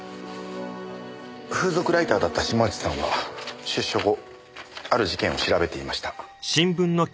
風俗ライターだった島内さんは出所後ある事件を調べていました。